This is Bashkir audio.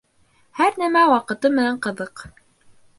Һәр нәмә ваҡыты менән ҡыҙыҡ.